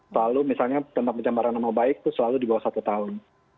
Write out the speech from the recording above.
lalu misalnya tentang pencemaran nama baik itu selalu di bawah satu tahun